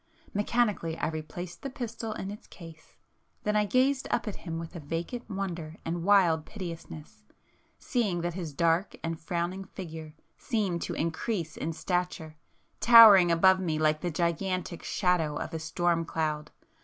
Mechanically I replaced the pistol in its case,——then I gazed up at him with a vacant wonder and wild piteousness, seeing that his dark and frowning figure seemed to increase in stature, towering above me like the gigantic shadow of a storm cloud!